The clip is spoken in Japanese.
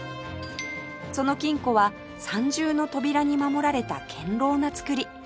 その金庫は３重の扉に守られた堅牢な造り